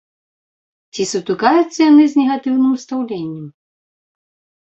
Ці сутыкаюцца яны з негатыўным стаўленнем?